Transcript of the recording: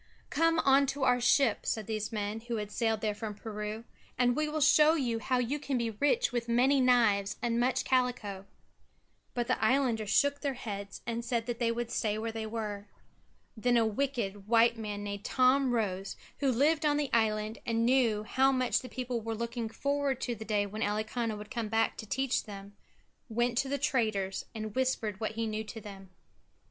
"Come onto our ship," said these men, who had sailed there from Peru, "and we will show you how you can be rich with many knives and much calico." But the islanders shook their heads and said they would stay where they were. Then a wicked white man named Tom Rose, who lived on the island and knew how much the people were looking forward to the day when Elikana would come back to teach them, went to the traders and whispered what he knew to them.